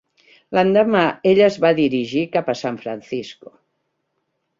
L'endemà, ella es va dirigir cap a San Francisco.